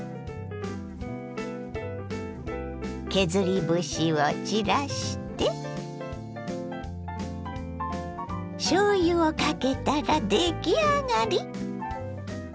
削り節を散らしてしょうゆをかけたら出来上がり！